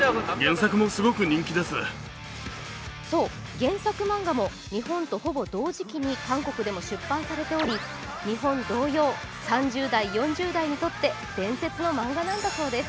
そう、原作漫画も日本とほぼ同時期に韓国でも出版されており日本同様、３０代、４０代にとって伝説の漫画なんだそうです。